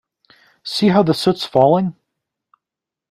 See how the soot's falling.